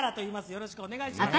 よろしくお願いします。